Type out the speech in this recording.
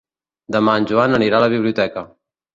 Demà en Joan anirà a la biblioteca.